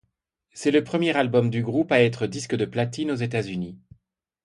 C'est le premier album du groupe à être disque de platine aux États-Unis.